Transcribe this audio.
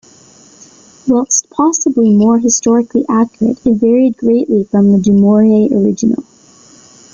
Whilst possibly more historically accurate, it varied greatly from the Du Maurier original.